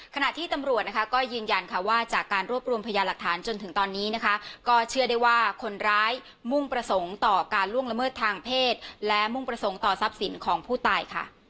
ขณะที่ตำรวจนะคะก็ยืนยันค่ะว่าจากการรวบรวมพยานหลักฐานจนถึงตอนนี้นะคะก็เชื่อได้ว่าคนร้ายมุ่งประสงค์ต่อการล่วงละเมิดทางเพศและมุ่งประสงค์ต่อทรัพย์สินของผู้ตายค่ะ